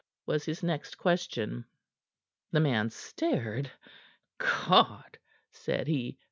was his next question. The man stared. "Cod!" said he.